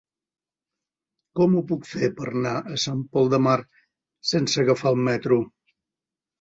Com ho puc fer per anar a Sant Pol de Mar sense agafar el metro?